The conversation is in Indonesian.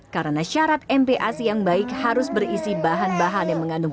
karena syarat mpac yang baik harus berisi bahan bahan yang mengandung